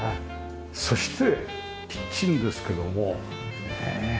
そしてキッチンですけどもねえ。